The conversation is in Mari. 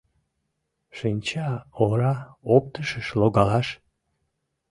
Шинчаора оптышыш логалаш?..